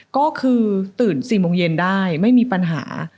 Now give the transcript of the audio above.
ก็คือตื่น๔โมงเย็นได้ไม่มีปัญหา